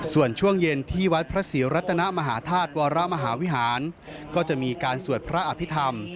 ส่วนช่วงเย็นที่วัดพระศรีรัตนมหาธาตุวรมหาวิหารก็จะมีการสวดพระอภิษฐรรม